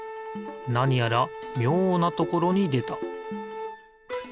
なにやらみょうなところにでた。